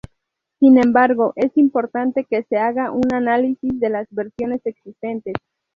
Sin embargo, es importante que se haga un análisis de las versiones existentes.